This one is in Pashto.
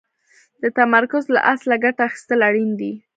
د تمرکز له اصله ګټه اخيستل اړين دي.